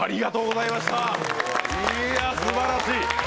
いや、すばらしい！